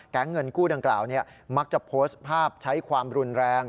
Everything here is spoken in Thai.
เงินกู้ดังกล่าวมักจะโพสต์ภาพใช้ความรุนแรง